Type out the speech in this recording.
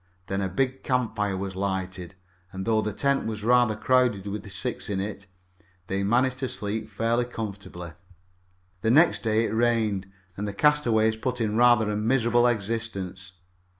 Then a big campfire was lighted, and, though the tent was rather crowded with six in it, they managed to sleep fairly comfortably. The next day it rained, and the castaways put in rather a miserable existence.